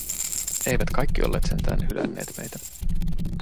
Eivät kaikki olleet sentään hylänneet meitä.